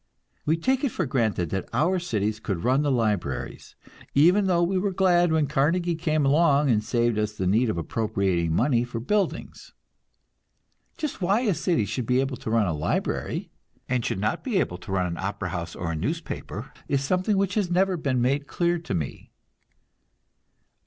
We take it for granted that our cities could run the libraries even though we were glad when Carnegie came along and saved us the need of appropriating money for buildings. Just why a city should be able to run a library, and should not be able to run an opera house, or a newspaper, is something which has never been made clear to me.